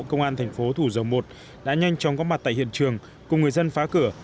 công an tp thủ dầu một đã nhanh chóng có mặt tại hiện trường cùng người dân phá cửa